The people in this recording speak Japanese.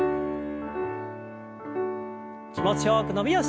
気持ちよく伸びをして。